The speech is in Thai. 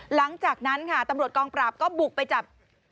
หลังจากนั้นค่ะตำรวจกองปราบก็บุกไปจับ